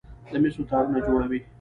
د مسو تارونه جوړوي.